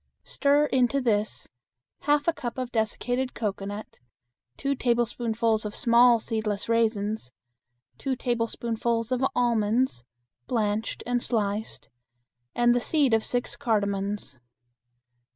Stir into this half a cup of dessicated cocoanut, two tablespoonfuls of small seedless raisins, two tablespoonfuls of almonds (blanched and sliced), and the seed of six cardamons.